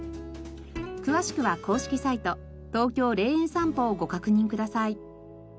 詳しくは公式サイト「ＴＯＫＹＯ霊園さんぽ」をご確認ください。